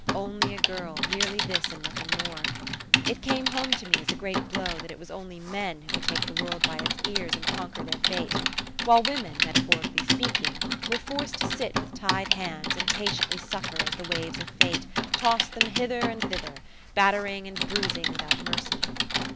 Only a girl merely this and nothing more. It came home to me as a great blow that it was only men who could take the world by its ears and conquer their fate, while women, metaphorically speaking, were forced to sit with tied hands and patiently suffer as the waves of fate tossed them hither and thither, battering and bruising without mercy.